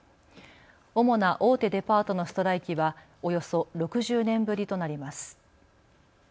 主な大手デパートのストライキはおよそ６０年ぶりとなります。